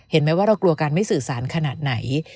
เห็นไหมว่าเรากลัวการไม่สื่อสารขนาดไหน